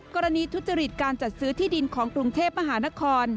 กรณีทุจริตการจัดซื้อที่ดินของกรุงเทพมหานคร